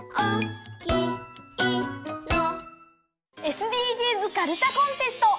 ＳＤＧｓかるたコンテスト。